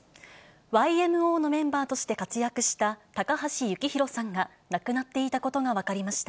ＹＭＯのメンバーとして活躍した、高橋幸宏さんが亡くなっていたことが分かりました。